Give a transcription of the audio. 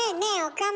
岡村。